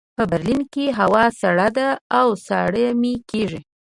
په برلین کې هوا سړه ده او ساړه مې کېږي